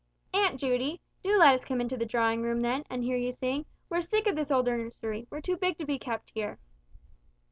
"Aunt Judy, do let us come into the drawing room then, and hear you sing; we're sick of this old nursery, we're too big to be kept here."